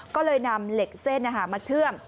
ก็เลยนำเหล็กเส้นมาเชื่อม